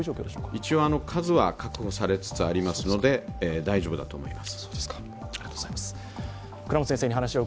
一応、数は確保されつつありますので大丈夫だと思います。